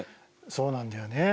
そうなんだよね。